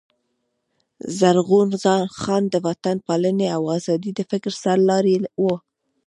زرغون خان د وطن پالني او آزادۍ د فکر سر لاری وو.